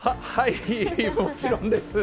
もちろんです。